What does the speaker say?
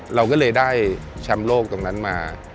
เราก็เลยได้แชมป์โลกตรงนั้นมา